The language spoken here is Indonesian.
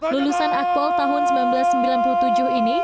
lulusan akpol tahun seribu sembilan ratus sembilan puluh tujuh ini